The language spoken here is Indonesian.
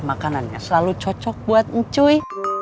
makanannya selalu cocok buat engcui